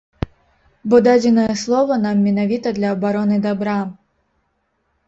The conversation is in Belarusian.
Бо дадзенае слова нам менавіта для абароны дабра.